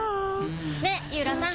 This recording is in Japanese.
ね井浦さん。